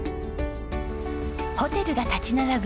ホテルが立ち並ぶ